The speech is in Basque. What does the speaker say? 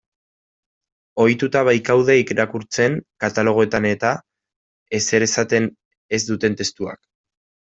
Ohituta baikaude irakurtzen, katalogoetan-eta, ezer esaten ez duten testuak.